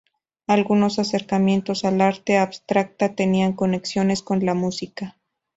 Algunos acercamientos al arte abstracta tenían conexiones con la música.